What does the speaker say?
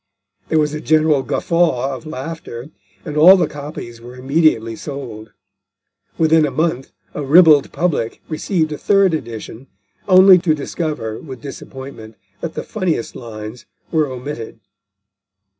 There was a general guffaw of laughter, and all the copies were immediately sold; within a month a ribald public received a third edition, only to discover, with disappointment, that the funniest lines were omitted.